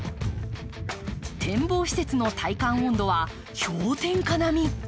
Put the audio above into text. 展望施設の体感温度は氷点下並み。